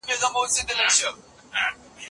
موږ هر څه يو ځای غواړو.